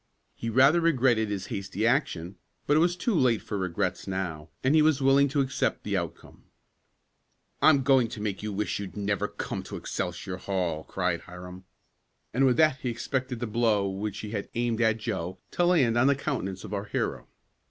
He rather regretted his hasty action, but it was too late for regrets now, and he was willing to accept the outcome. "I'm going to make you wish you'd never come to Excelsior Hall!" cried Hiram, and with that he expected the blow which he had aimed at Joe to land on the countenance of our hero.